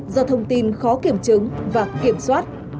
do thông tin khó kiểm chứng và kiểm soát